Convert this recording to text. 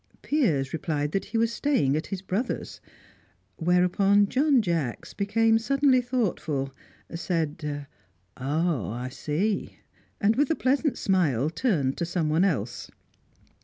Piers replied that he was staying at his brother's. Whereupon John Jacks became suddenly thoughtful, said, "Ah, I see," and with a pleasant smile turned to someone else.